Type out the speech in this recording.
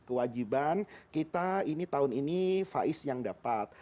kewajiban kita ini tahun ini faiz yang dapat